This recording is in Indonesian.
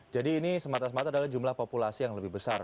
jadi ini semata mata adalah jumlah populasi yang lebih besar